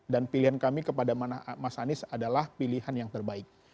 dan pilihan kami kepada mas anies adalah pilihan yang terbaik